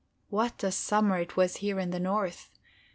What a summer it was here in the north!